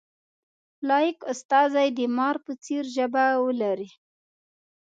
لایق استازی د مار په څېر ژبه ولري.